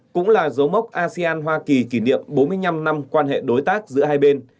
cũng là dấu mốc asean hoa kỳ kỷ niệm bốn mươi năm năm quan hệ đối tác giữa hai bên